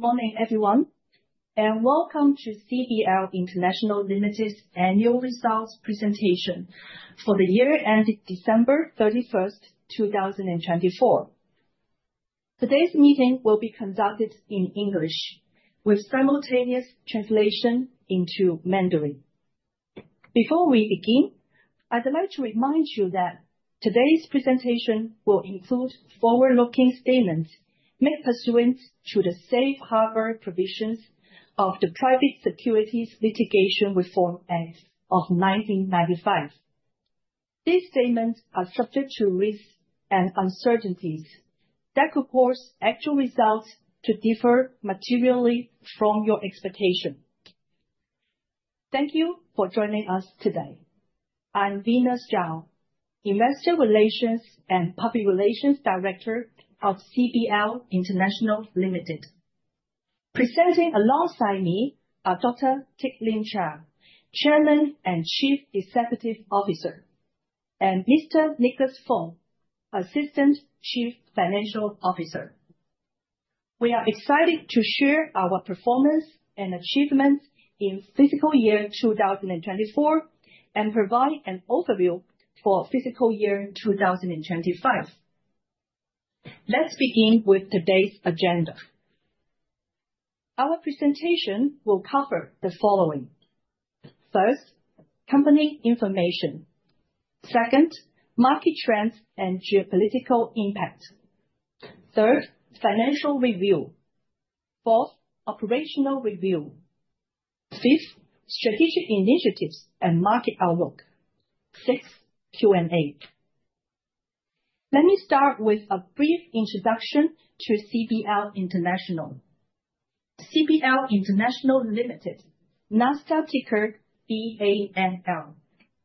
Morning, everyone, and welcome to CBL International Limited's annual results presentation for the year ended December 31st, 2024. Today's meeting will be conducted in English, with simultaneous translation into Mandarin. Before we begin, I'd like to remind you that today's presentation will include forward-looking statements made pursuant to the safe harbor provisions of the Private Securities Litigation Reform Act of 1995. These statements are subject to risks and uncertainties that could cause actual results to differ materially from your expectation. Thank you for joining us today. I'm Venus Zhao, Investor Relations and Public Relations Director of CBL International Limited. Presenting alongside me are Dr. Teck Lim Chia, Chairman and Chief Executive Officer, and Mr. Nicholas Fung, Assistant Chief Financial Officer. We are excited to share our performance and achievements in Fiscal Year 2024 and provide an overview for Fiscal Year 2025. Let's begin with today's agenda. Our presentation will cover the following: First, Company Information. Second, Market Trends and Geopolitical Impact. Third, Financial Review. Fourth, Operational Review. Fifth, Strategic Initiatives and Market Outlook. Sixth, Q&A. Let me start with a brief introduction to CBL International. CBL International Limited, NASDAQ ticker BANL,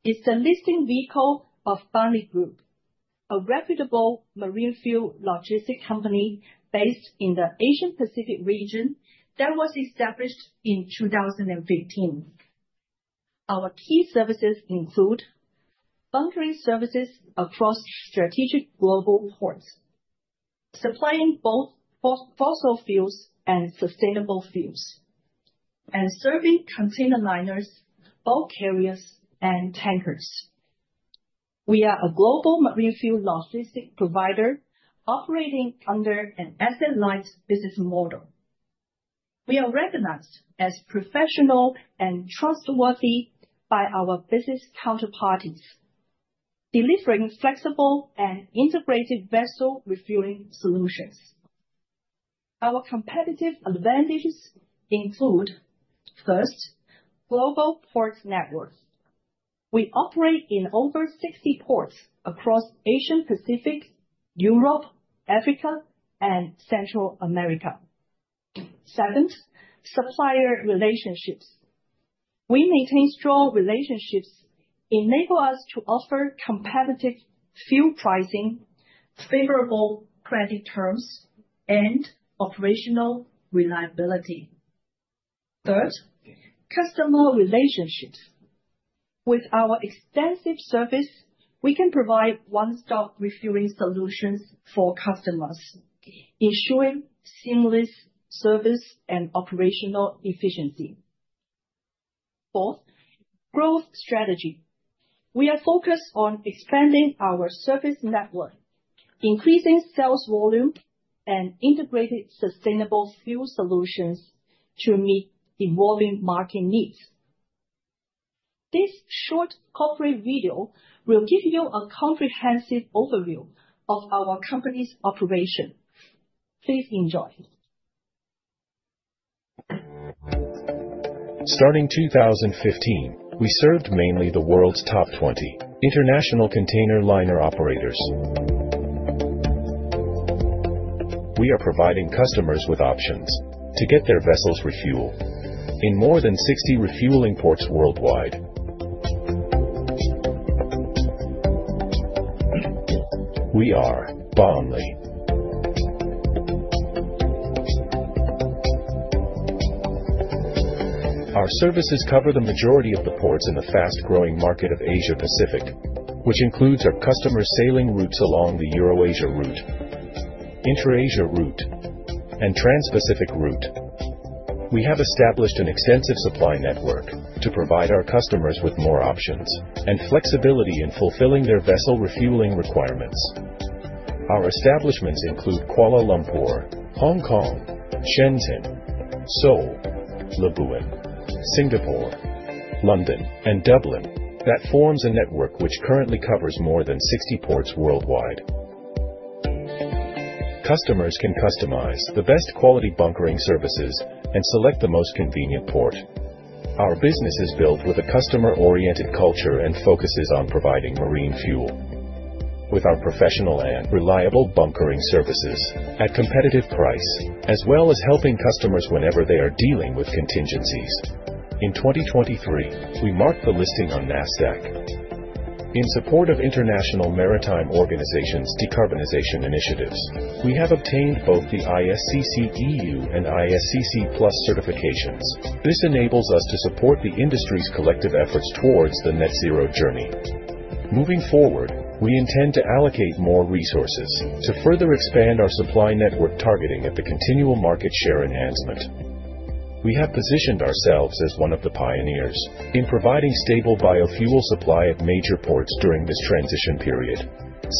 is the listing vehicle of Banle Group, a reputable marine fuel logistics company based in the Asia-Pacific region that was established in 2015. Our key services include bunkering services across strategic global ports, supplying both fossil fuels and sustainable fuels, and serving container liners, bulk carriers, and tankers. We are a global marine fuel logistics provider operating under an asset-light business model. We are recognized as professional and trustworthy by our business counterparties, delivering flexible and integrated vessel refueling solutions. Our competitive advantages include: First, Global Ports Network. We operate in over 60 ports across Asia-Pacific, Europe, Africa, and Central America. Second, Supplier Relationships. We maintain strong relationships that enable us to offer competitive fuel pricing, favorable credit terms, and operational reliability. Third, Customer Relationships. With our extensive service, we can provide one-stop refueling solutions for customers, ensuring seamless service and operational efficiency. Fourth, Growth Strategy. We are focused on expanding our service network, increasing sales volume, and integrating sustainable fuel solutions to meet evolving market needs. This short corporate video will give you a comprehensive overview of our company's operation. Please enjoy. Starting 2015, we served mainly the world's top 20 international container liner operators. We are providing customers with options to get their vessels refueled in more than 60 refueling ports worldwide. We are Banle. Our services cover the majority of the ports in the fast-growing market of Asia-Pacific, which includes our customers' sailing routes along the Euro-Asia Route, Inter-Asia Route, and Trans-Pacific Route. We have established an extensive supply network to provide our customers with more options and flexibility in fulfilling their vessel refueling requirements. Our establishments include Kuala Lumpur, Hong Kong, Shenzhen, Seoul, Labuan, Singapore, London, and Dublin, that forms a network which currently covers more than 60 ports worldwide. Customers can customize the best quality bunkering services and select the most convenient port. Our business is built with a customer-oriented culture and focuses on providing marine fuel. With our professional and reliable bunkering services at a competitive price, as well as helping customers whenever they are dealing with contingencies, in 2023, we marked the listing on NASDAQ. In support of international maritime organizations' decarbonization initiatives, we have obtained both the ISCC-EU and ISCC-Plus certifications. This enables us to support the industry's collective efforts towards the net-zero journey. Moving forward, we intend to allocate more resources to further expand our supply network targeting at the continual market share enhancement. We have positioned ourselves as one of the pioneers in providing stable biofuel supply at major ports during this transition period.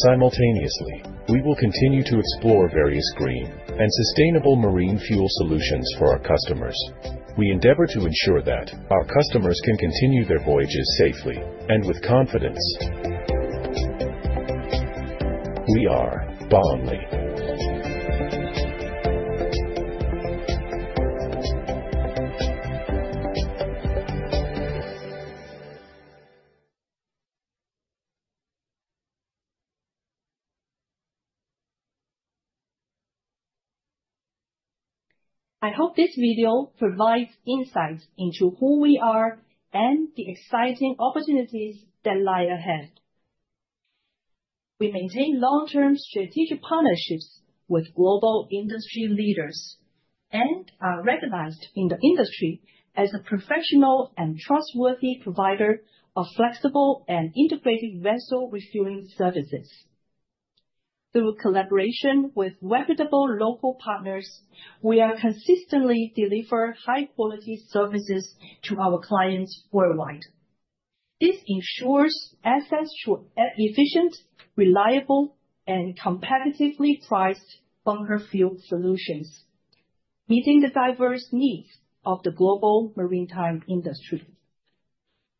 Simultaneously, we will continue to explore various green and sustainable marine fuel solutions for our customers. We endeavor to ensure that our customers can continue their voyages safely and with confidence. We are Banle. I hope this video provides insights into who we are and the exciting opportunities that lie ahead. We maintain long-term strategic partnerships with global industry leaders and are recognized in the industry as a professional and trustworthy provider of flexible and integrated vessel refueling services. Through collaboration with reputable local partners, we are consistently delivering high-quality services to our clients worldwide. This ensures access to efficient, reliable, and competitively priced bunker fuel solutions, meeting the diverse needs of the global maritime industry.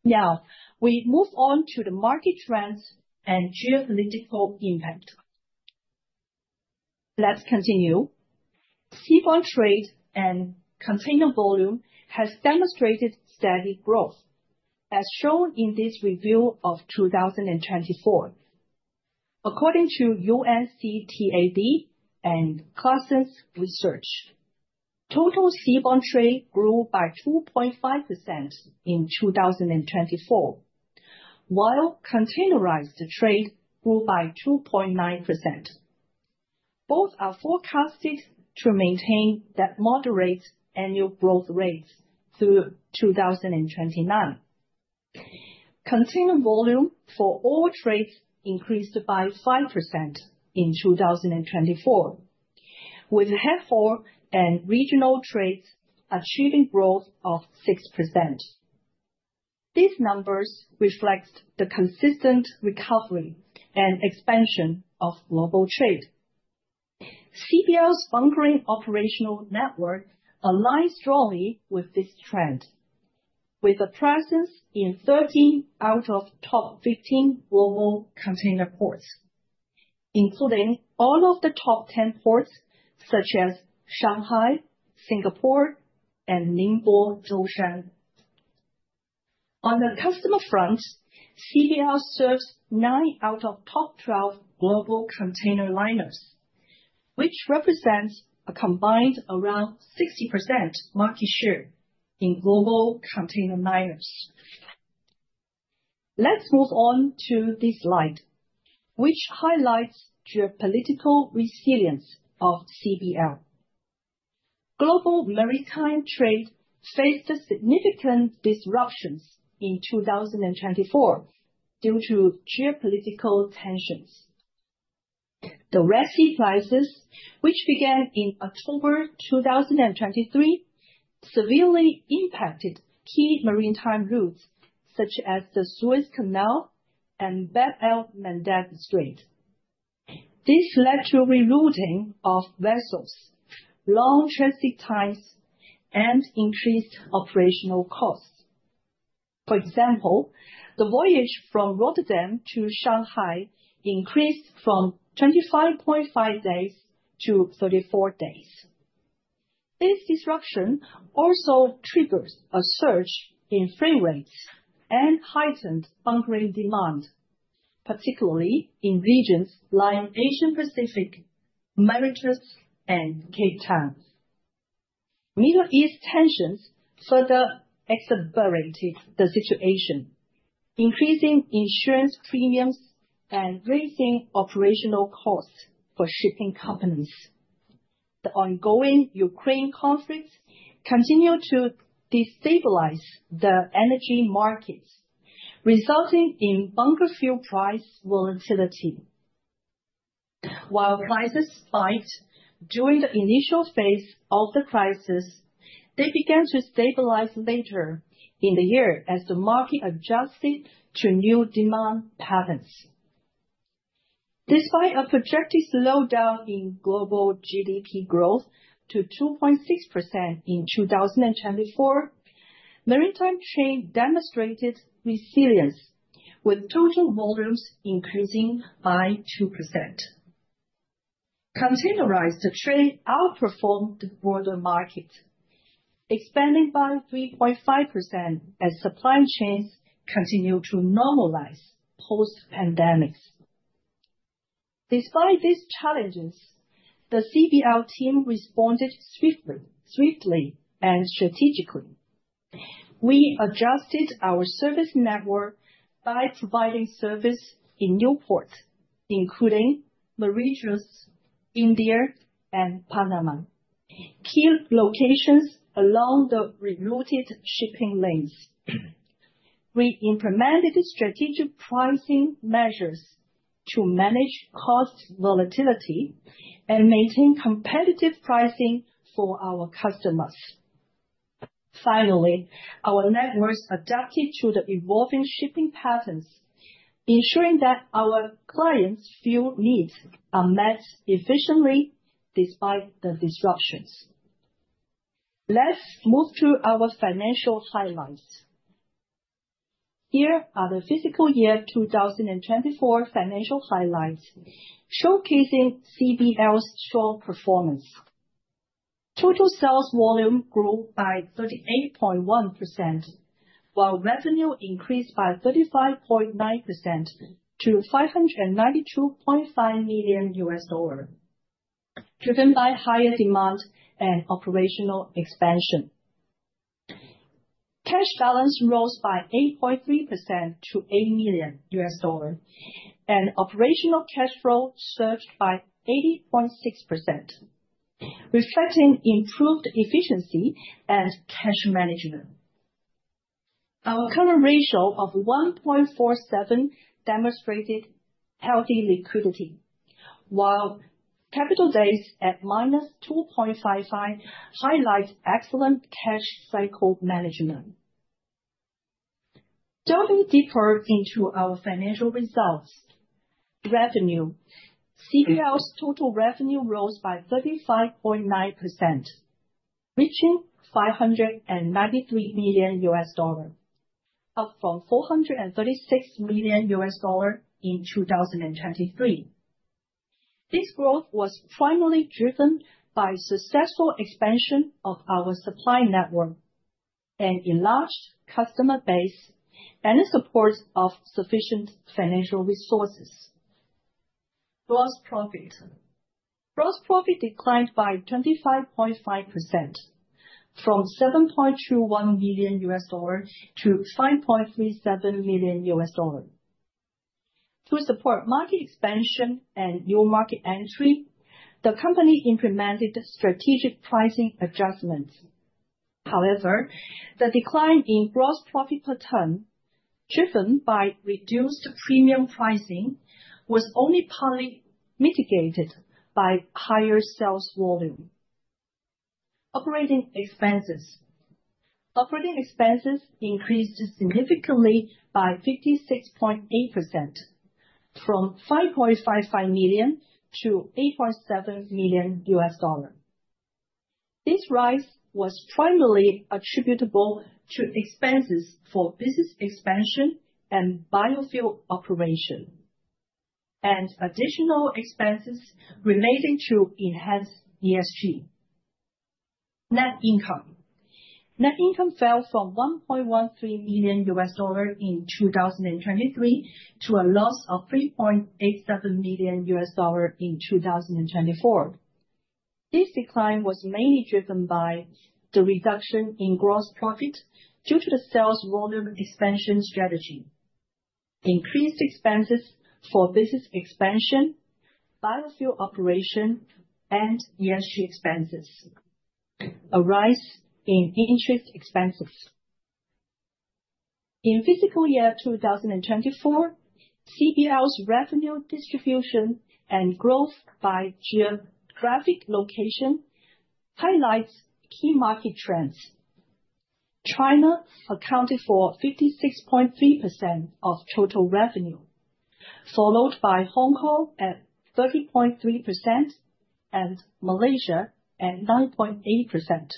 Now, we move on to the market trends and geopolitical impact. Let's continue. Seaborne trade and container volume have demonstrated steady growth, as shown in this review of 2024. According to UNCTAD and Clarksons Research, total seaborne trade grew by 2.5% in 2024, while containerized trade grew by 2.9%. Both are forecasted to maintain that moderate annual growth rates through 2029. Container volume for all trades increased by 5% in 2024, with head-haul and regional trades achieving growth of 6%. These numbers reflect the consistent recovery and expansion of global trade. CBL's bunkering operational network aligns strongly with this trend, with a presence in 13 out of top 15 global container ports, including all of the top 10 ports such as Shanghai, Singapore, and Ningbo Zhoushan. On the customer front, CBL serves 9 out of top 12 global container liners, which represents a combined around 60% market share in global container liners. Let's move on to this slide, which highlights the geopolitical resilience of CBL. Global maritime trade faced significant disruptions in 2024 due to geopolitical tensions. The Red Sea crisis, which began in October 2023, severely impacted key maritime routes such as the Suez Canal and Bab el-Mandeb Strait. This led to rerouting of vessels, long transit times, and increased operational costs. For example, the voyage from Rotterdam to Shanghai increased from 25.5 days to 34 days. This disruption also triggered a surge in freight rates and heightened bunkering demand, particularly in regions like the Asia Pacific, Mauritius, and Cape Town. Middle East tensions further exacerbated the situation, increasing insurance premiums and raising operational costs for shipping companies. The ongoing Ukraine conflict continued to destabilize the energy markets, resulting in bunker fuel price volatility. While prices spiked during the initial phase of the crisis, they began to stabilize later in the year as the market adjusted to new demand patterns. Despite a projected slowdown in global GDP growth to 2.6% in 2024, maritime trade demonstrated resilience, with total volumes increasing by 2%. Containerized trade outperformed the broader market, expanding by 3.5% as supply chains continued to normalize post-pandemic. Despite these challenges, the CBL team responded swiftly and strategically. We adjusted our service network by providing service in new ports, including Mauritius, India, and Panama, key locations along the rerouted shipping lanes. We implemented strategic pricing measures to manage cost volatility and maintain competitive pricing for our customers. Finally, our networks adapted to the evolving shipping patterns, ensuring that our clients' fuel needs are met efficiently despite the disruptions. Let's move to our financial highlights. Here are the Fiscal Year 2024 financial highlights, showcasing CBL's strong performance. Total sales volume grew by 38.1%, while revenue increased by 35.9% to $592.5 million, driven by higher demand and operational expansion. Cash balance rose by 8.3% to $8 million, and operational cash flow surged by 80.6%, reflecting improved efficiency and cash management. Our current ratio of 1.47 demonstrated healthy liquidity, while capital days at -2.55 highlight excellent cash cycle management. Delving deeper into our financial results, revenue, CBL's total revenue rose by 35.9%, reaching $593 million, up from $436 million in 2023. This growth was primarily driven by the successful expansion of our supply network, an enlarged customer base, and the support of sufficient financial resources. Gross profit. Gross profit declined by 25.5%, from $7.21 million to $5.37 million. To support market expansion and new market entry, the company implemented strategic pricing adjustments. However, the decline in gross profit per ton, driven by reduced premium pricing, was only partly mitigated by higher sales volume. Operating expenses. Operating expenses increased significantly by 56.8%, from $5.55 million to $8.7 million. This rise was primarily attributable to expenses for business expansion and biofuel operation, and additional expenses relating to enhanced ESG. Net income. Net income fell from $1.13 million in 2023 to a loss of $3.87 million in 2024. This decline was mainly driven by the reduction in gross profit due to the sales volume expansion strategy, increased expenses for business expansion, biofuel operation, and ESG expenses, a rise in interest expenses. In Fiscal Year 2024, CBL's revenue distribution and growth by geographic location highlights key market trends. China accounted for 56.3% of total revenue, followed by Hong Kong at 30.3% and Malaysia at 9.8%,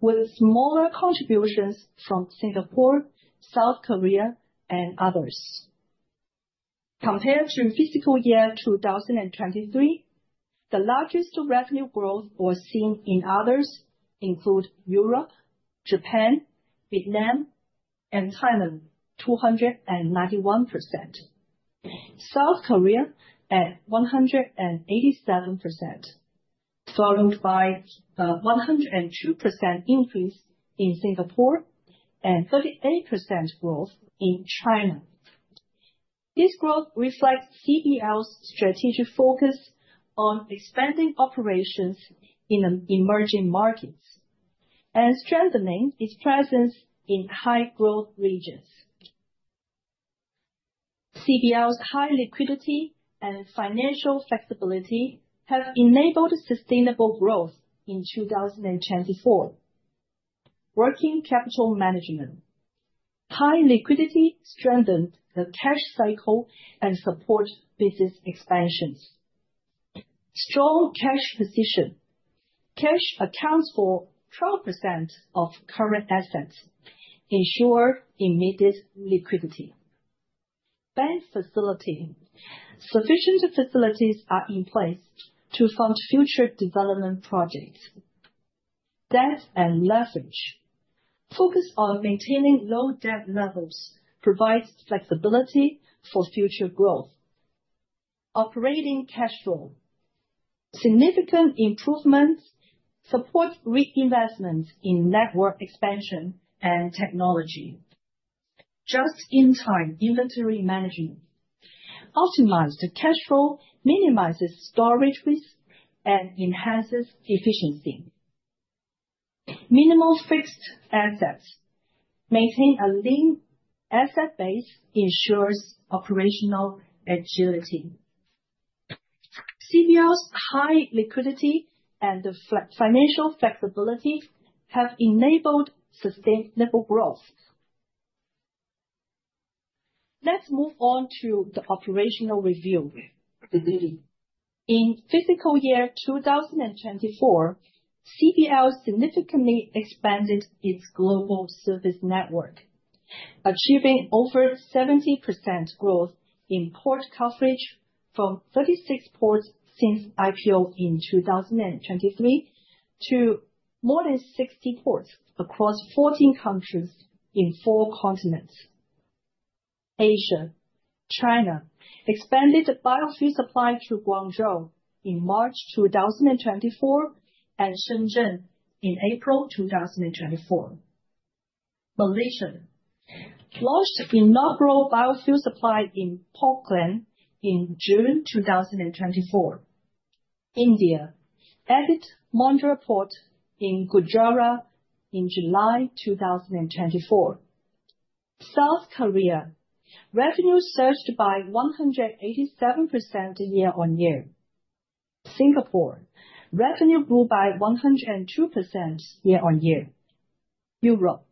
with smaller contributions from Singapore, South Korea, and others. Compared to Fiscal Year 2023, the largest revenue growth was seen in others, including Europe, Japan, Vietnam, and Thailand, 291%. South Korea at 187%, followed by a 102% increase in Singapore and 38% growth in China. This growth reflects CBL's strategic focus on expanding operations in emerging markets and strengthening its presence in high-growth regions. CBL's high liquidity and financial flexibility have enabled sustainable growth in 2024. Working capital management. High liquidity strengthened the cash cycle and supported business expansions. Strong cash position. Cash accounts for 12% of current assets, ensuring immediate liquidity. Bank facility. Sufficient facilities are in place to fund future development projects. Debt and leverage. Focus on maintaining low debt levels provides flexibility for future growth. Operating cash flow. Significant improvements support reinvestment in network expansion and technology. Just-in-time inventory management. Optimized cash flow minimizes storage risk and enhances efficiency. Minimal fixed assets. Maintaining a lean asset base ensures operational agility. CBL's high liquidity and financial flexibility have enabled sustainable growth. Let's move on to the operational review. In Fiscal Year 2024, CBL significantly expanded its global service network, achieving over 70% growth in port coverage from 36 ports since IPO in 2023 to more than 60 ports across 14 countries in four continents: Asia. China expanded the biofuel supply to Guangzhou in March 2024 and Shenzhen in April 2024. Malaysia. Launched inaugural biofuel supply in Port Klang in June 2024. India. Added Mundra Port in Gujarat in July 2024. South Korea. Revenue surged by 187% year-on-year. Singapore. Revenue grew by 102% year-on-year. Europe.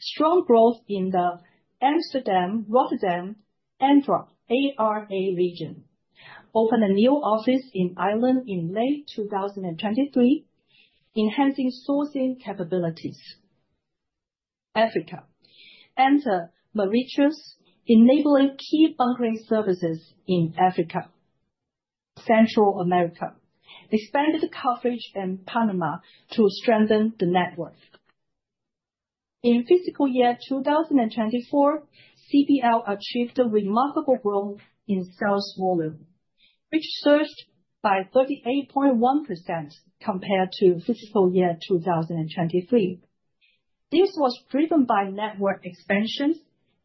Strong growth in the Amsterdam-Rotterdam-Antwerp, ARA region. Opened a new office in Ireland in late 2023, enhancing sourcing capabilities. Africa. Entered Mauritius, enabling key bunkering services in Africa. Central America. Expanded coverage in Panama to strengthen the network. In Fiscal Year 2024, CBL achieved a remarkable growth in sales volume, which surged by 38.1% compared to Fiscal Year 2023. This was driven by network expansion,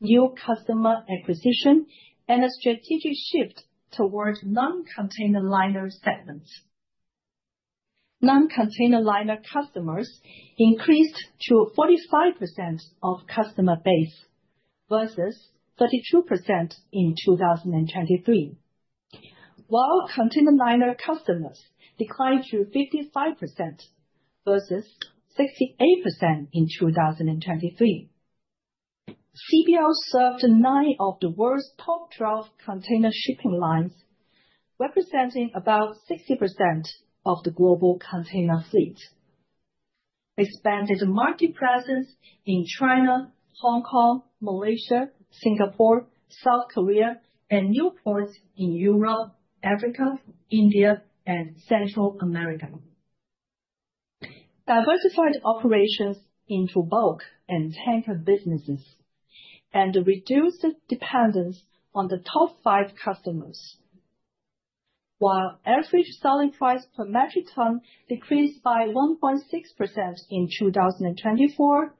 new customer acquisition, and a strategic shift towards non-container liner segments. Non-container liner customers increased to 45% of customer base versus 32% in 2023, while container liner customers declined to 55% versus 68% in 2023. CBL served nine of the world's top 12 container shipping lines, representing about 60% of the global container fleet. Expanded market presence in China, Hong Kong, Malaysia, Singapore, South Korea, and new ports in Europe, Africa, India, and Central America. Diversified operations into bulk and tanker businesses and reduced dependence on the top five customers. While average selling price per metric ton decreased by 1.6% in 2024,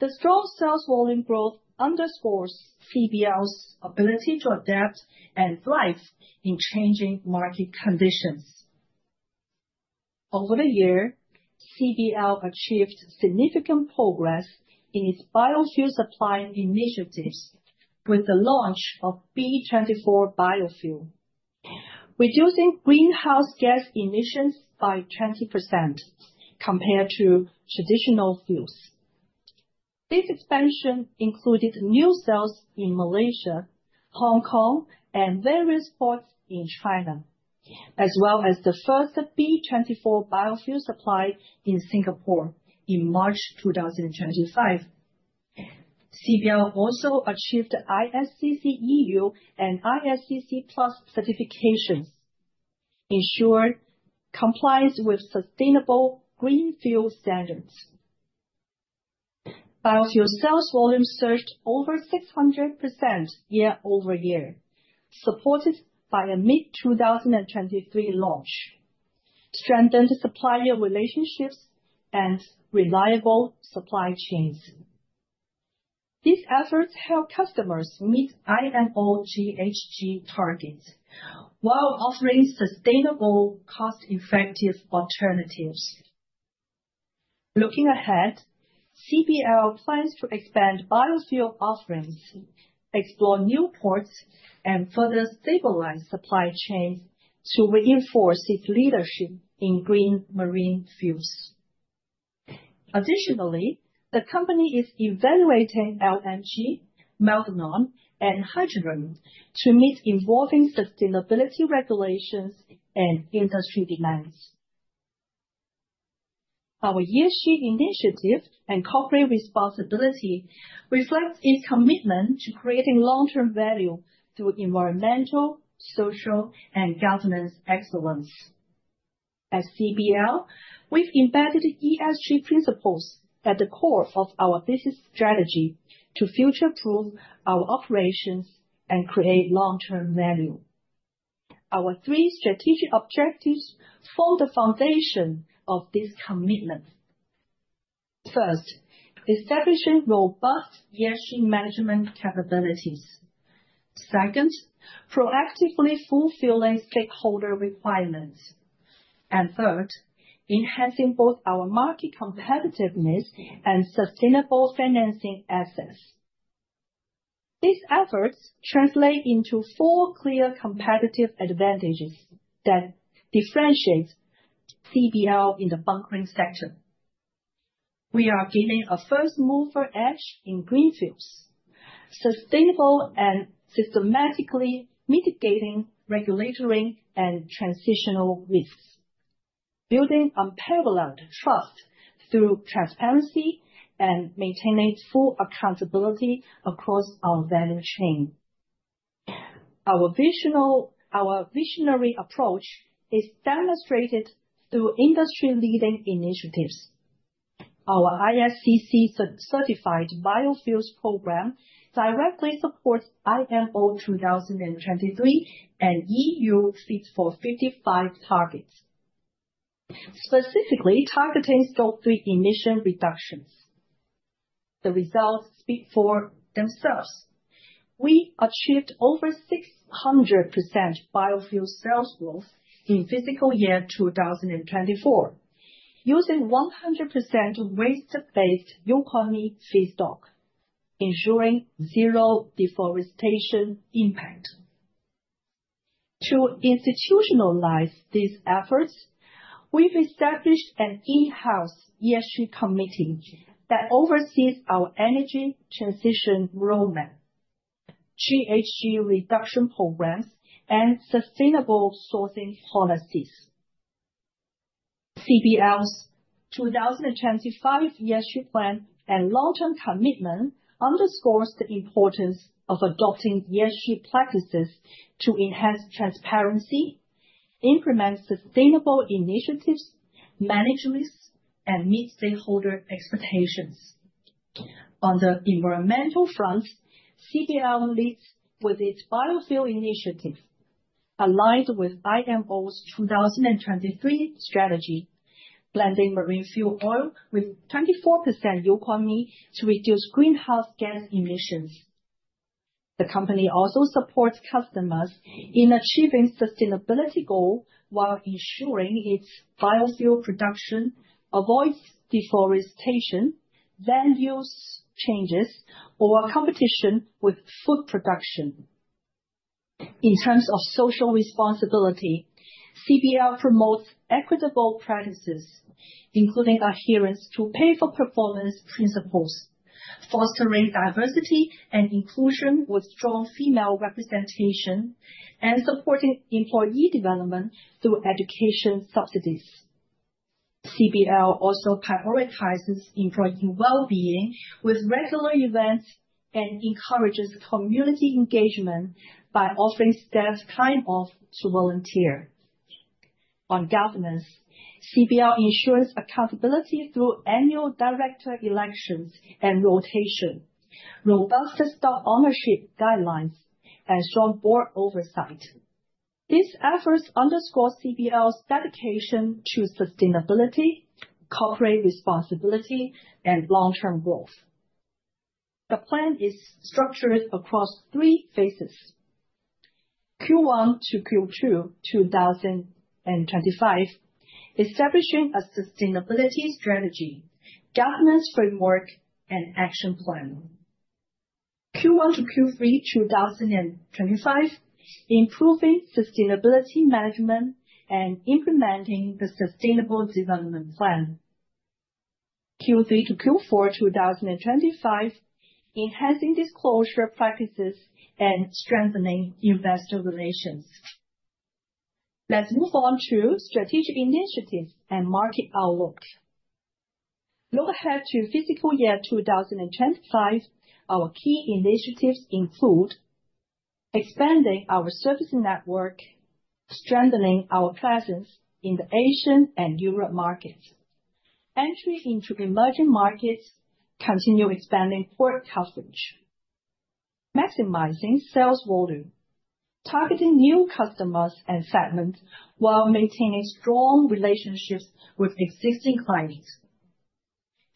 the strong sales volume growth underscores CBL's ability to adapt and thrive in changing market conditions. Over the year, CBL achieved significant progress in its biofuel supply initiatives with the launch of B24 biofuel, reducing greenhouse gas emissions by 20% compared to traditional fuels. This expansion included new sales in Malaysia, Hong Kong, and various ports in China, as well as the first B24 biofuel supply in Singapore in March 2025. CBL also achieved ISCC EU and ISCC Plus certifications, ensuring compliance with sustainable green fuel standards. Biofuel sales volume surged over 600% year-over-year, supported by a mid-2023 launch, strengthened supplier relationships, and reliable supply chains. These efforts help customers meet IMO GHG targets while offering sustainable, cost-effective alternatives. Looking ahead, CBL plans to expand biofuel offerings, explore new ports, and further stabilize supply chains to reinforce its leadership in green marine fuels. Additionally, the company is evaluating LNG, methanol, and hydrogen to meet evolving sustainability regulations and industry demands. Our ESG initiative and corporate responsibility reflect its commitment to creating long-term value through environmental, social, and governance excellence. At CBL, we've embedded ESG principles at the core of our business strategy to future-proof our operations and create long-term value. Our three strategic objectives form the foundation of this commitment. First, establishing robust ESG management capabilities. Second, proactively fulfilling stakeholder requirements. Third, enhancing both our market competitiveness and sustainable financing assets. These efforts translate into four clear competitive advantages that differentiate CBL in the bunkering sector. We are gaining a first-mover edge in green fuels, sustainably and systematically mitigating regulatory and transitional risks, building unparalleled trust through transparency, and maintaining full accountability across our value chain. Our visionary approach is demonstrated through industry-leading initiatives. Our ISCC-certified biofuels program directly supports IMO 2023 and EU Fit for 55 targets, specifically targeting scope 3 emission reductions. The results speak for themselves. We achieved over 600% biofuel sales growth in Fiscal Year 2024, using 100% waste-based UCOME feedstock, ensuring zero deforestation impact. To institutionalize these efforts, we've established an in-house ESG committee that oversees our energy transition roadmap, GHG reduction programs, and sustainable sourcing policies. CBL's 2025 ESG plan and long-term commitment underscores the importance of adopting ESG practices to enhance transparency, implement sustainable initiatives, manage risks, and meet stakeholder expectations. On the environmental front, CBL leads with its biofuel initiative, aligned with IMO's 2023 strategy, blending marine fuel oil with 24% UCOME to reduce greenhouse gas emissions. The company also supports customers in achieving sustainability goals while ensuring its biofuel production avoids deforestation, value changes, or competition with food production. In terms of social responsibility, CBL promotes equitable practices, including adherence to pay-for-performance principles, fostering diversity and inclusion with strong female representation, and supporting employee development through education subsidies. CBL also prioritizes employee well-being with regular events and encourages community engagement by offering staff time off to volunteer. On governance, CBL ensures accountability through annual director elections and rotation, robust staff ownership guidelines, and strong board oversight. These efforts underscore CBL's dedication to sustainability, corporate responsibility, and long-term growth. The plan is structured across three phases: Q1 to Q2 2025, establishing a sustainability strategy, governance framework, and action plan. Q1 to Q3 2025, improving sustainability management and implementing the sustainable development plan. Q3 to Q4 2025, enhancing disclosure practices and strengthening investor relations. Let's move on to strategic initiatives and market outlook. Look ahead to Fiscal Year 2025. Our key initiatives include expanding our service network, strengthening our presence in the Asian and Europe markets, entry into emerging markets, continuing expanding port coverage, maximizing sales volume, targeting new customers and segments while maintaining strong relationships with existing clients,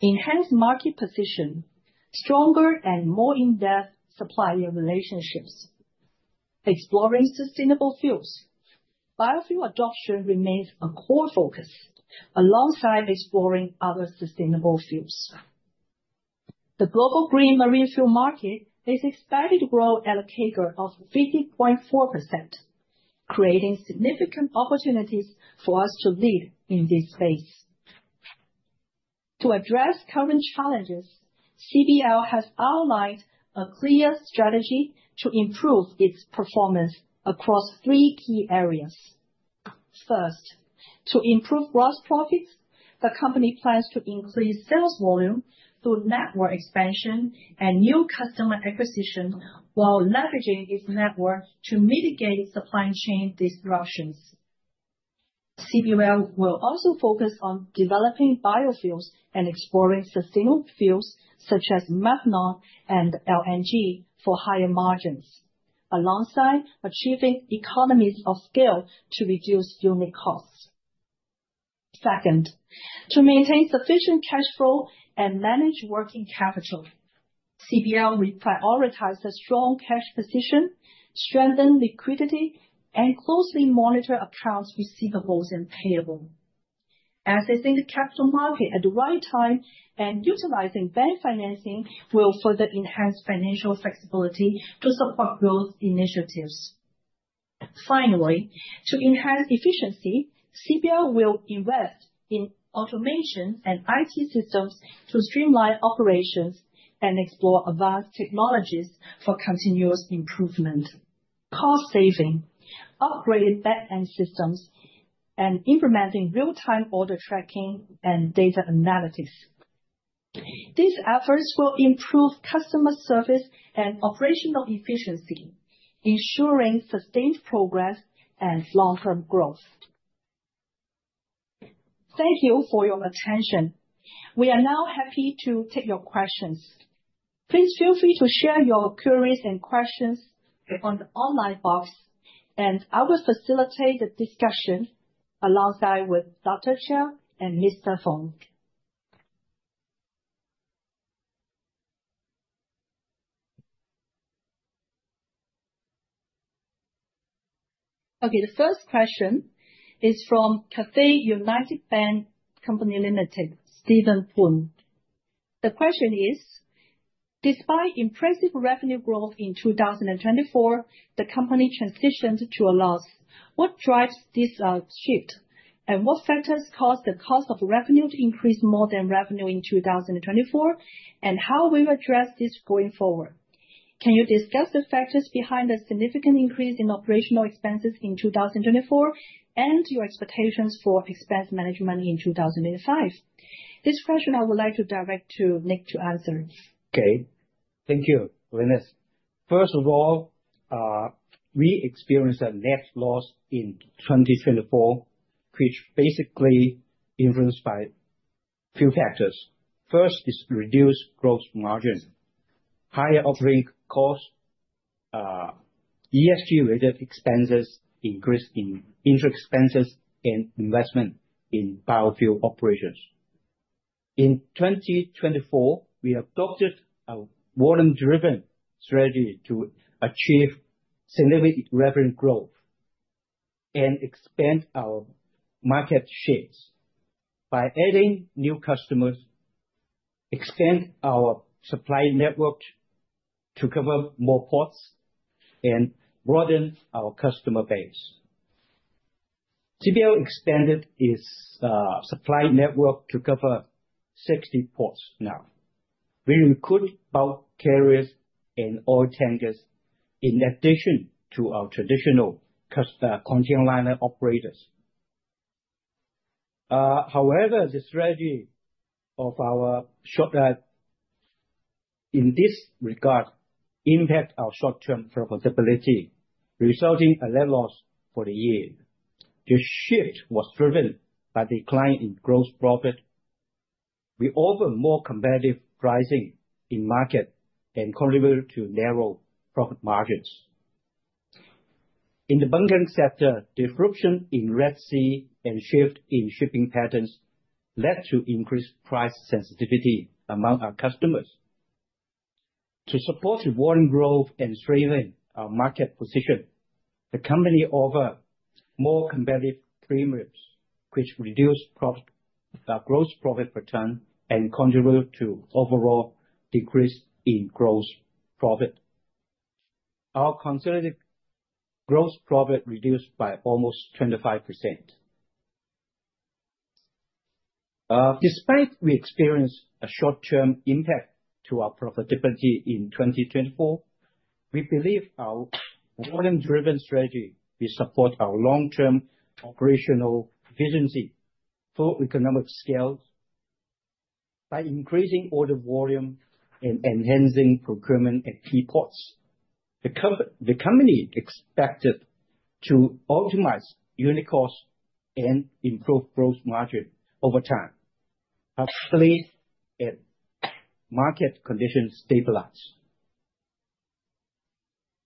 enhanced market position, stronger and more in-depth supplier relationships, exploring sustainable fuels. Biofuel adoption remains a core focus alongside exploring other sustainable fuels. The global green marine fuel market is expected to grow at a CAGR of 50.4%, creating significant opportunities for us to lead in this space. To address current challenges, CBL has outlined a clear strategy to improve its performance across three key areas. First, to improve gross profits, the company plans to increase sales volume through network expansion and new customer acquisition while leveraging its network to mitigate supply chain disruptions. CBL will also focus on developing biofuels and exploring sustainable fuels such as methanol and LNG for higher margins, alongside achieving economies of scale to reduce unit costs. Second, to maintain sufficient cash flow and manage working capital, CBL will prioritize a strong cash position, strengthen liquidity, and closely monitor accounts receivables and payables. Assessing the capital market at the right time and utilizing bank financing will further enhance financial flexibility to support growth initiatives. Finally, to enhance efficiency, CBL will invest in automation and IT systems to streamline operations and explore advanced technologies for continuous improvement. Cost saving, upgrading back-end systems, and implementing real-time order tracking and data analytics. These efforts will improve customer service and operational efficiency, ensuring sustained progress and long-term growth. Thank you for your attention. We are now happy to take your questions. Please feel free to share your queries and questions on the online box, and I will facilitate the discussion alongside Dr. Chia and Mr. Fung. Okay, the first question is from Cathay United Bank Company Limited, Stephen Poon. The question is, despite impressive revenue growth in 2024, the company transitioned to a loss. What drives this shift? What factors caused the cost of revenue to increase more than revenue in 2024? How will you address this going forward? Can you discuss the factors behind the significant increase in operational expenses in 2024 and your expectations for expense management in 2025? This question I would like to direct to Nick to answer. Okay, thank you, Venus. First of all, we experienced a net loss in 2024, which basically is influenced by a few factors. First is reduced gross margin, higher operating costs, ESG-related expenses increased in interest expenses and investment in biofuel operations. In 2024, we adopted a volume-driven strategy to achieve significant revenue growth and expand our market shares by adding new customers, expand our supply network to cover more ports, and broaden our customer base. CBL expanded its supply network to cover 60 ports now. We recruited bulk carriers and oil tankers in addition to our traditional container liner operators. However, the strategy of our short-term in this regard impacted our short-term profitability, resulting in a net loss for the year. The shift was driven by a decline in gross profit. We offer more competitive pricing in the market and contributed to narrow profit margins. In the bunkering sector, disruption in Red Sea and shift in shipping patterns led to increased price sensitivity among our customers. To support volume growth and strengthen our market position, the company offered more competitive premiums, which reduced our gross profit return and contributed to an overall decrease in gross profit. Our consolidated gross profit reduced by almost 25%. Despite we experienced a short-term impact to our profitability in 2024, we believe our volume-driven strategy will support our long-term operational efficiency for economies scale by increasing order volume and enhancing procurement at key ports. The company expected to optimize unit costs and improve gross margin over time as market conditions stabilize.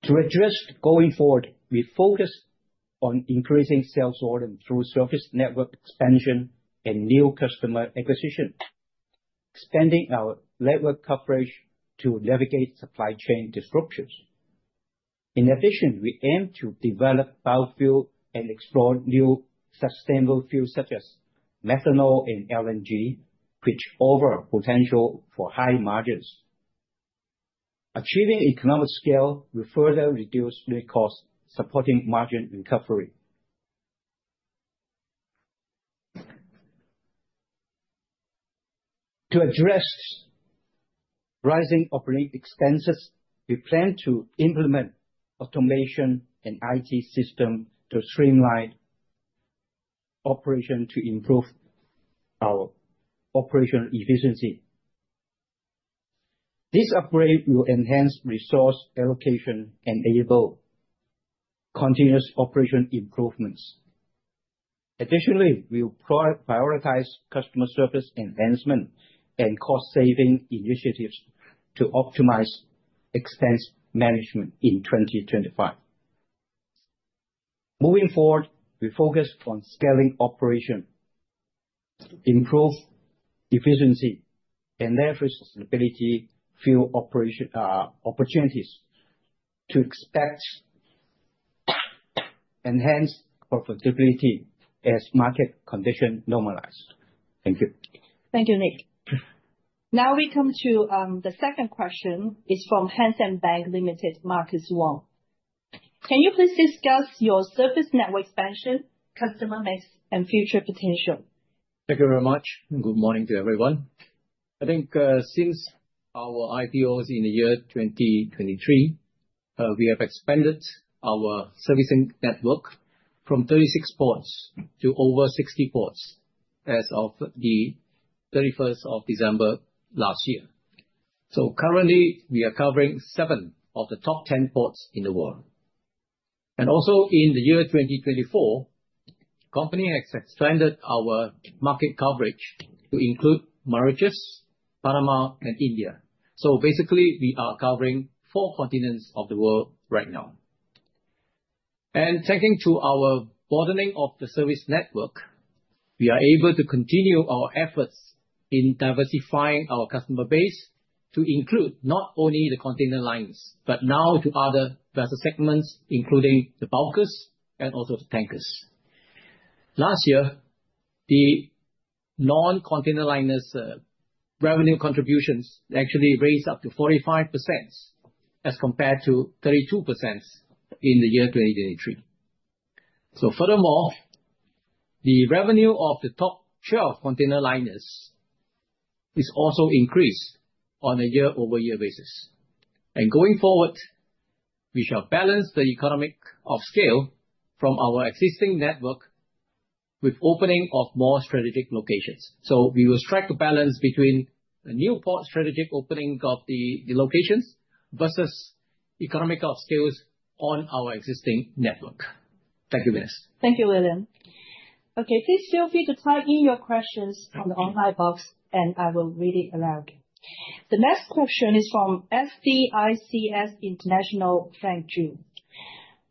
To address going forward, we focused on increasing sales volume through service network expansion and new customer acquisition, expanding our network coverage to navigate supply chain disruptions. In addition, we aim to develop biofuel and explore new sustainable fuels such as methanol and LNG, which offer potential for high margins. Achieving economies scale will further reduce unit costs, supporting margin recovery. To address rising operating expenses, we plan to implement automation and IT systems to streamline operations to improve our operational efficiency. This upgrade will enhance resource allocation and enable continuous operation improvements. Additionally, we will prioritize customer service enhancement and cost-saving initiatives to optimize expense management in 2025. Moving forward, we focus on scaling operations to improve efficiency and leverage sustainability fuel operation opportunities to expect enhanced profitability as market conditions normalize. Thank you. Thank you, Nick. Now we come to the second question, which is from Hang Seng Bank Limited, Marcus Wong. Can you please discuss your service network expansion, customer mix, and future potential? Thank you very much. Good morning to everyone. I think since our IPOs in the year 2023, we have expanded our servicing network from 36 ports to over 60 ports as of the 31st of December last year. Currently, we are covering seven of the top 10 ports in the world. Also in the year 2024, the company has expanded our market coverage to include Mauritius, Panama, and India. Basically, we are covering four continents of the world right now. Thanks to our broadening of the service network, we are able to continue our efforts in diversifying our customer base to include not only the container lines, but now to other vessel segments, including the bulkers and also the tankers. Last year, the non-container liners' revenue contributions actually raised up to 45% as compared to 32% in the year 2023. Furthermore, the revenue of the top 12 container liners is also increased on a year-over-year basis. Going forward, we shall balance the economies scale from our existing network with the opening of more strategic locations. We will strike a balance between a new port strategic opening of the locations versus the economies scale on our existing network. Thank you, Venus. Thank you, William. Okay, please feel free to type in your questions on the online box, and I will read it aloud. The next question is from [FDIC International], Frank Ju.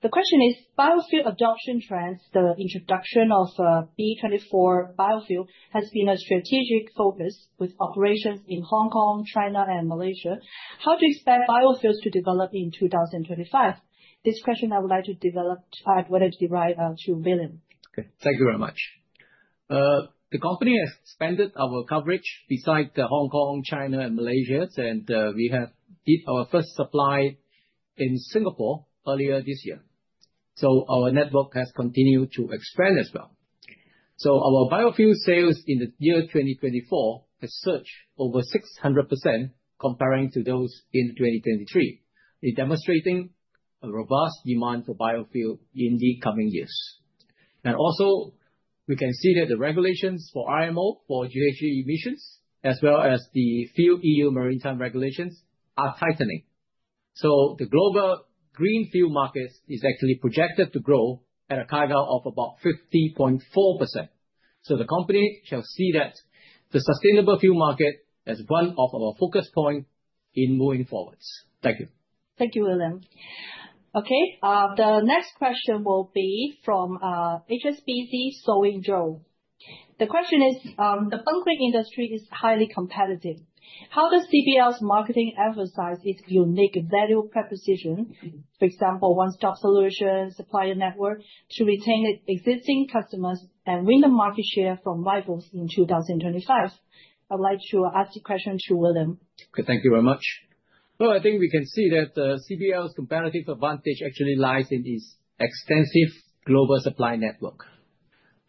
The question is, biofuel adoption trends. The introduction of B24 biofuel has been a strategic focus with operations in Hong Kong, China, and Malaysia. How do you expect biofuels to develop in 2025? This question I would like to develop to add whether to the right to William. Okay, thank you very much. The company has expanded our coverage besides Hong Kong, China, and Malaysia, and we have did our first supply in Singapore earlier this year. Our network has continued to expand as well. Our biofuel sales in the year 2024 have surged over 600% comparing to those in 2023, demonstrating a robust demand for biofuel in the coming years. We can see that the regulations for IMO for GHG emissions, as well as the FuelEU Maritime regulations, are tightening. The global green fuel market is actually projected to grow at a CAGR of about 50.4%. The company shall see that the sustainable fuel market as one of our focus points in moving forwards. Thank you. Thank you, William. The next question will be from HSBC Soeun Zhou. The question is, the bunkering industry is highly competitive. How does CBL's marketing emphasize its unique value proposition, for example, one-stop solution, supplier network, to retain existing customers and win the market share from rivals in 2025? I'd like to ask the question to William. Okay, thank you very much. I think we can see that CBL's competitive advantage actually lies in its extensive global supply network.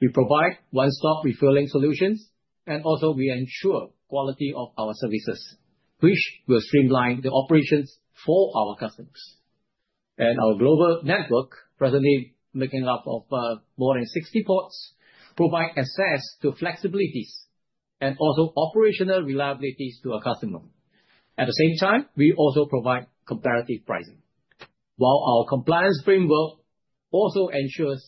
We provide one-stop refilling solutions, and also we ensure quality of our services, which will streamline the operations for our customers. Our global network, presently making up of more than 60 ports, provides access to flexibilities and also operational reliabilities to our customers. At the same time, we also provide comparative pricing, while our compliance framework also ensures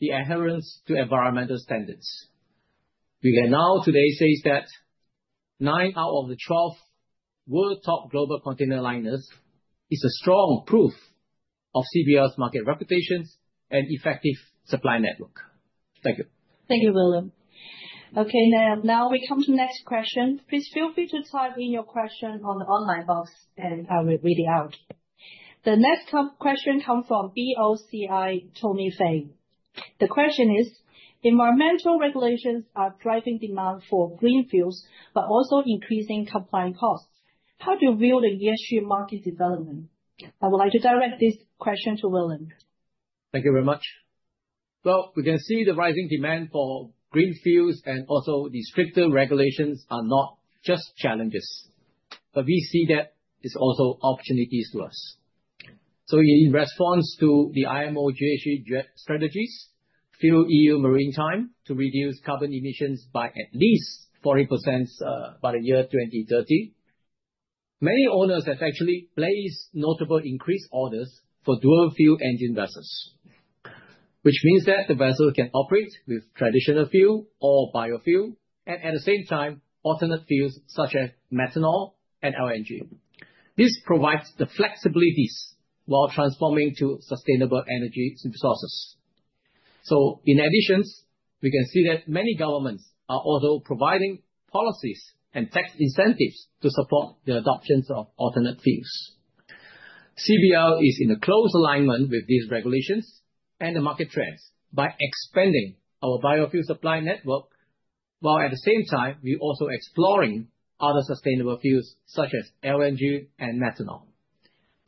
the adherence to environmental standards. We can now today say that nine out of the 12 world top global container liners is a strong proof of CBL's market reputation and effective supply network. Thank you. Thank you, William. Okay, now we come to the next question. Please feel free to type in your question on the online box, and I will read it out. The next question comes from BOCI, Tony Feng. The question is, environmental regulations are driving demand for green fuels, but also increasing compliance costs. How do you view the ESG market development? I would like to direct this question to William. Thank you very much. We can see the rising demand for green fuels and also the stricter regulations are not just challenges, but we see that it's also opportunities to us. In response to the IMO GHG strategies, FuelEU Maritime to reduce carbon emissions by at least 40% by the year 2030, many owners have actually placed notable increased orders for dual fuel engine vessels, which means that the vessel can operate with traditional fuel or biofuel and at the same time alternate fuels such as methanol and LNG. This provides the flexibilities while transforming to sustainable energy resources. In addition, we can see that many governments are also providing policies and tax incentives to support the adoption of alternate fuels. CBL is in close alignment with these regulations and the market trends by expanding our biofuel supply network, while at the same time, we are also exploring other sustainable fuels such as LNG and methanol.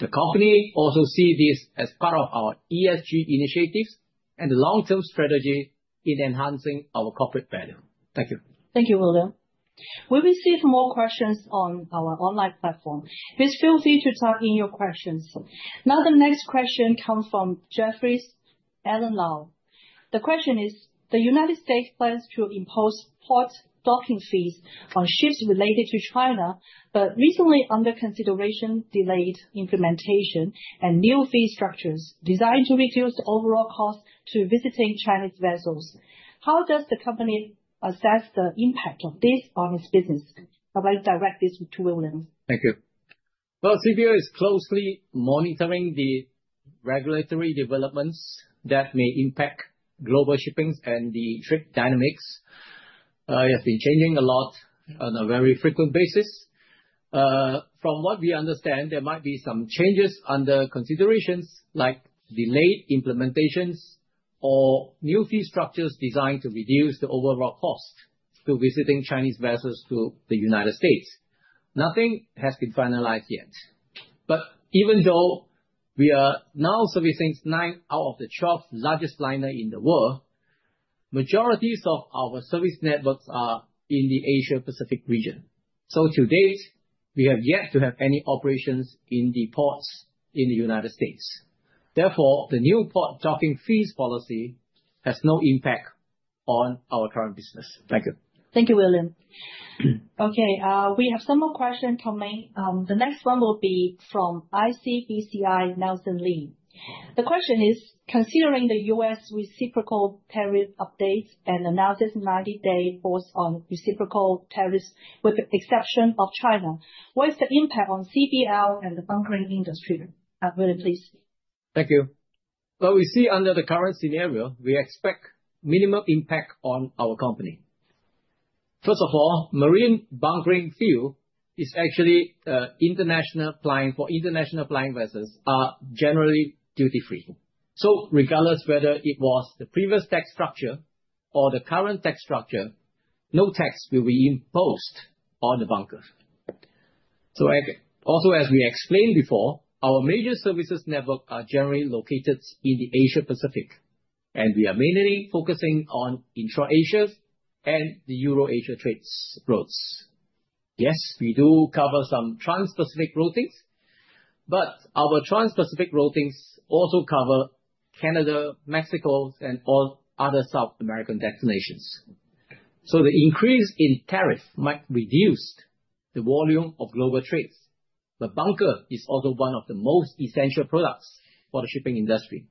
The company also sees this as part of our ESG initiatives and the long-term strategy in enhancing our corporate value. Thank you. Thank you, William. We received more questions on our online platform. Please feel free to type in your questions. Now the next question comes from Jeffrey Allan Lau. The question is, the United States plans to impose port docking fees on ships related to China, but recently under consideration delayed implementation and new fee structures designed to reduce the overall cost to visiting Chinese vessels. How does the company assess the impact of this on its business? I'd like to direct this to William. Thank you. CBL is closely monitoring the regulatory developments that may impact global shippings and the trade dynamics. It has been changing a lot on a very frequent basis. From what we understand, there might be some changes under considerations like delayed implementations or new fee structures designed to reduce the overall cost to visiting Chinese vessels to the United States. Nothing has been finalized yet. Even though we are now servicing nine out of the 12 largest liners in the world, majorities of our service networks are in the Asia-Pacific region. To date, we have yet to have any operations in the ports in the United States. Therefore, the new port docking fees policy has no impact on our current business. Thank you. Thank you, William. We have some more questions coming. The next one will be from ICBC Nelson Lin. The question is, considering the U.S. reciprocal tariff updates and announced 90-day pause on reciprocal tariffs with the exception of China, what is the impact on CBL and the bunkering industry? William, please. Thank you. Under the current scenario, we expect minimal impact on our company. First of all, marine bunkering fuel is actually international flying for international flying vessels are generally duty-free. Regardless whether it was the previous tax structure or the current tax structure, no tax will be imposed on the bunker. Also, as we explained before, our major services networks are generally located in the Asia-Pacific, and we are mainly focusing on Intra-Asia and the Euro-Asia trade routes. Yes, we do cover some Trans-Pacific routings, but our Trans-Pacific routings also cover Canada, Mexico, and all other South American destinations. The increase in tariffs might reduce the volume of global trades, but bunker is also one of the most essential products for the shipping industry.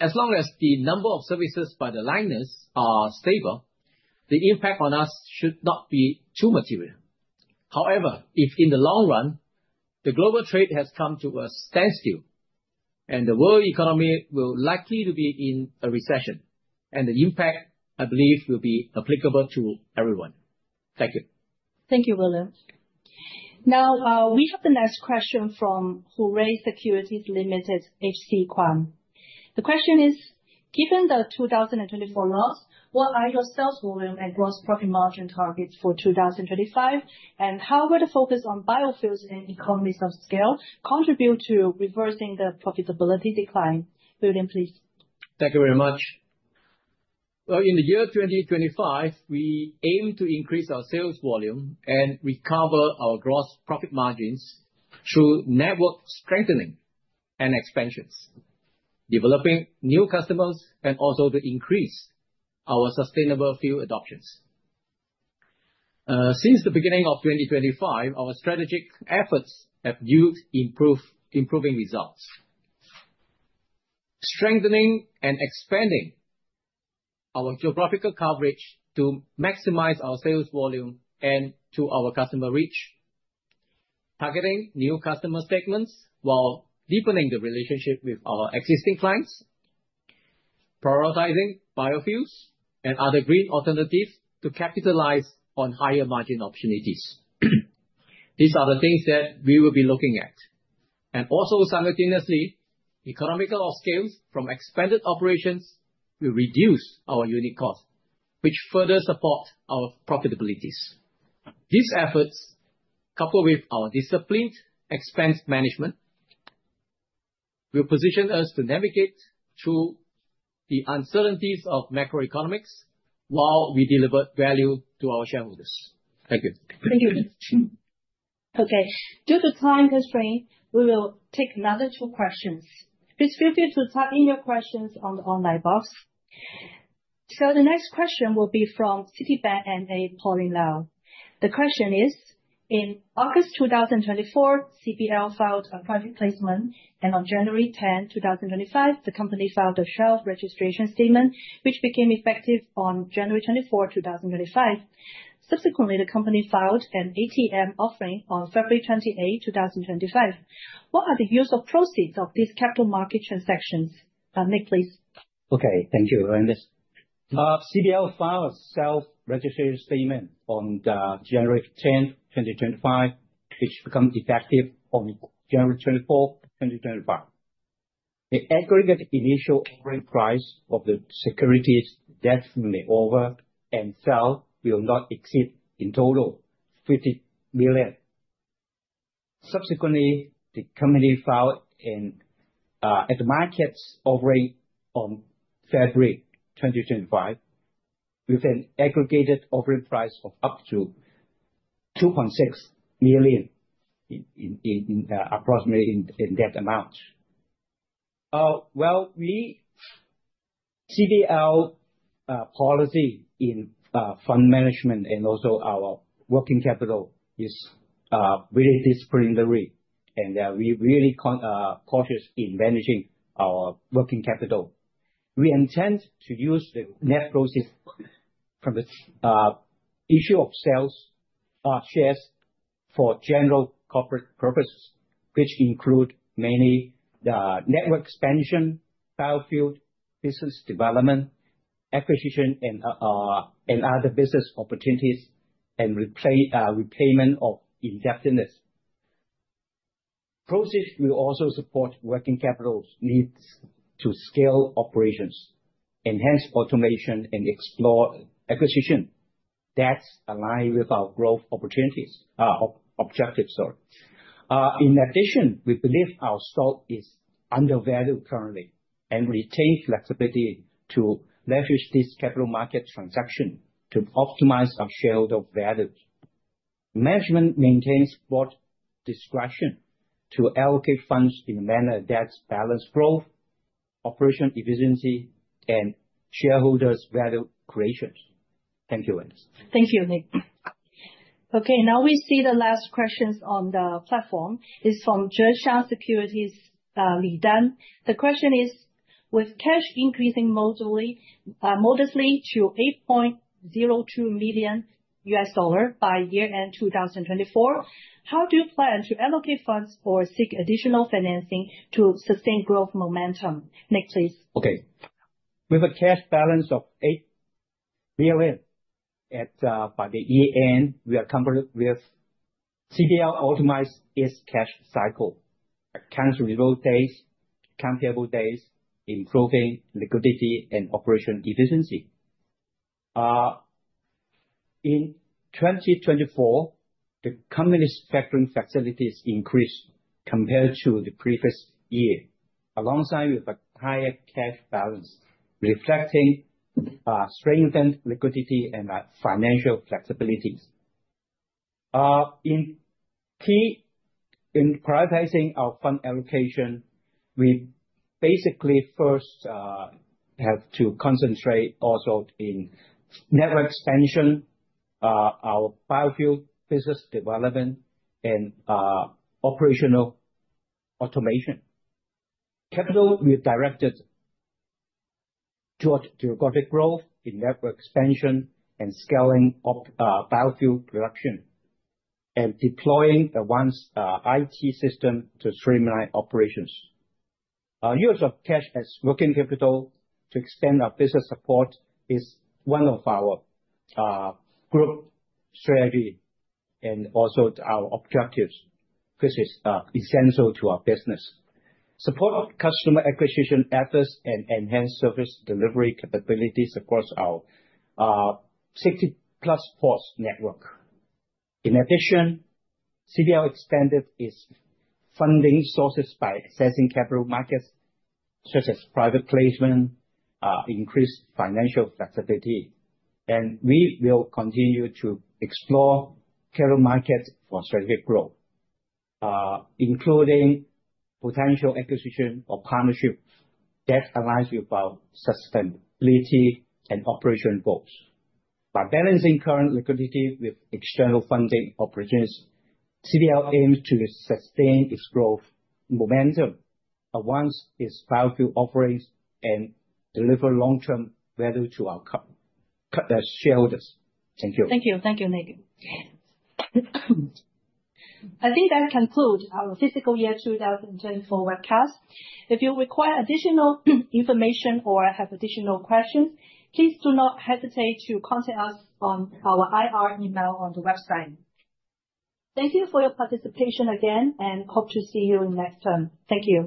As long as the number of services by the liners are stable, the impact on us should not be too material. However, if in the long run, the global trade has come to a standstill and the world economy will likely be in a recession, the impact, I believe, will be applicable to everyone. Thank you. Thank you, William. Now we have the next question from Hooray Securities Limited, HC Kwan. The question is, given the 2024 loss, what are your sales volume and gross profit margin targets for 2025, and how will the focus on biofuels and economies of scale contribute to reversing the profitability decline? William, please. Thank you very much. In the year 2025, we aim to increase our sales volume and recover our gross profit margins through network strengthening and expansions, developing new customers, and also to increase our sustainable fuel adoptions. Since the beginning of 2025, our strategic efforts have yielded improving results, strengthening and expanding our geographical coverage to maximize our sales volume and to our customer reach, targeting new customer segments while deepening the relationship with our existing clients, prioritizing biofuels and other green alternatives to capitalize on higher margin opportunities. These are the things that we will be looking at. Also, simultaneously, economical scales from expanded operations will reduce our unit cost, which further supports our profitabilities. These efforts, coupled with our disciplined expense management, will position us to navigate through the uncertainties of macroeconomics while we deliver value to our shareholders. Thank you. Thank you. Okay, due to time constraints, we will take another two questions. Please feel free to type in your questions on the online box. The next question will be from Citi Bank MA, Pauline Lau. The question is, in August 2024, CBL filed a project placement, and on January 10, 2025, the company filed a shelf registration statement, which became effective on January 24, 2025. Subsequently, the company filed an ATM offering on February 28, 2025. What are the use of proceeds of these capital market transactions? Nick, please. Okay, thank you, Venus. CBL filed a shelf registration statement on January 10, 2025, which becomes effective on January 24, 2025. The aggregate initial offering price of the securities that were over and sell will not exceed in total $50 million. Subsequently, the company filed an at-market offering on February 2025 with an aggregated offering price of up to $2.6 million in approximately that amount. CBL's policy in fund management and also our working capital is really disciplinary, and we're really cautious in managing our working capital. We intend to use the net proceeds from the issue of sales shares for general corporate purposes, which include many network expansion, biofuel business development, acquisition, and other business opportunities, and repayment of indebtedness. Proceeds will also support working capital's needs to scale operations, enhance automation, and explore acquisition that align with our growth objectives. In addition, we believe our stock is undervalued currently and retain flexibility to leverage this capital market transaction to optimize our shareholder value. Management maintains board discretion to allocate funds in a manner that balances growth, operational efficiency, and shareholders' value creations. Thank you, Venus. Thank you, Nick. Okay, now we see the last questions on the platform is from Zheshang Securities Limited. The question is, with cash increasing modestly to $8.02 million by year-end 2024, how do you plan to allocate funds or seek additional financing to sustain growth momentum? Nick, please. Okay, with a cash balance of $8 million by the year-end, we are comfortable with CBL optimizing its cash cycle, accounts receivable dates, accounts payable dates, improving liquidity and operational efficiency. In 2024, the company's factoring facilities increased compared to the previous year, alongside with a higher cash balance, reflecting strengthened liquidity and financial flexibilities. In prioritizing our fund allocation, we basically first have to concentrate also in network expansion, our biofuel business development, and operational automation. Capital we've directed towards geographic growth in network expansion and scaling of biofuel production and deploying a one IT system to streamline operations. Use of cash as working capital to extend our business support is one of our group strategies and also our objectives because it's essential to our business. Support customer acquisition efforts and enhance service delivery capabilities across our 60+ ports network. In addition, CBL expanded its funding sources by assessing capital markets such as private placement, increased financial flexibility, and we will continue to explore capital markets for strategic growth, including potential acquisition or partnerships that align with our sustainability and operational goals. By balancing current liquidity with external funding opportunities, CBL aims to sustain its growth momentum once its biofuel offerings deliver long-term value to our shareholders. Thank you. Thank you, Nick. I think that concludes our Fiscal Year 2024 webcast. If you require additional information or have additional questions, please do not hesitate to contact us on our IR email on the website. Thank you for your participation again, and hope to see you in the next term. Thank you.